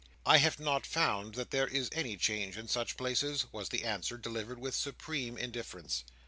"I have not found that there is any change in such places," was the answer, delivered with supreme indifference.